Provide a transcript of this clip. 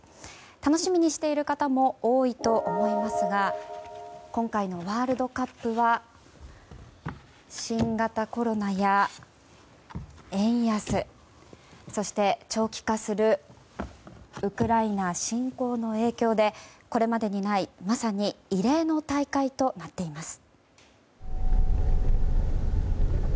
楽しみにしている方も多いと思いますが今回のワールドカップは新型コロナや円安そして長期化するウクライナ侵攻の影響でこれまでにない、まさに異例の大会となっています。